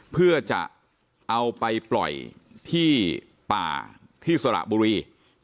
เพื่อจะเอาไปปล่อยที่ป่าที่สระบุรี